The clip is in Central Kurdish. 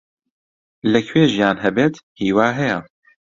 لەکوێ ژیان هەبێت، هیوا هەیە.